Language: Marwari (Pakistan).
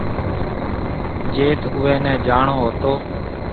جيٿ اُوئي نَي جاڻو ھتو۔